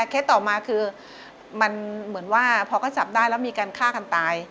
ต่อมาคือมันเหมือนว่าพอเขาจับได้แล้วมีการฆ่ากันตาย